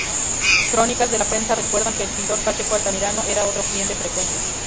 Crónicas de la prensa recuerdan que el pintor Pacheco Altamirano era otro cliente frecuente.